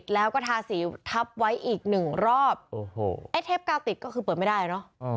แล้วก็ทาสีทับไว้อีกหนึ่งรอบโอ้โหไอ้เทปกาติกก็คือเปิดไม่ได้เนอะ